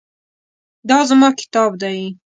دا زما کتاب دی